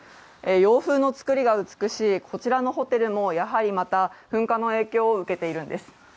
洋風の造りが美しいこちらのホテルもまた、噴火の影響を受けているんです。